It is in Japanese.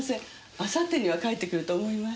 明後日には帰ってくると思います。